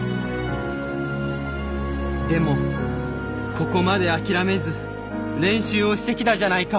でもここまで諦めず練習をしてきたじゃないか。